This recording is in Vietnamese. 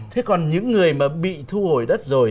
thế còn những người mà bị thu hồi đất rồi